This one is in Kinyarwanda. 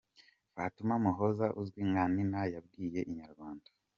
Fatuma Muhoza uzwi nka Nina yabwiye inyarwanda.